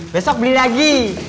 besok beli lagi